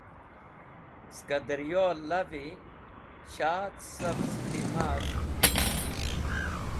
Ska daryo-e lav shadh savz khimayi dek̃htey.